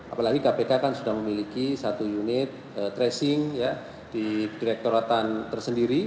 apalagi kpk kan sudah memiliki satu unit tracing di direkturatan tersendiri